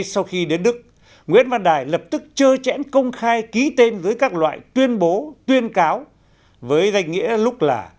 sau khi đến đức nguyễn văn đài lập tức chơi chẽn công khai ký tên với các loại tuyên bố tuyên cáo với danh nghĩa lúc là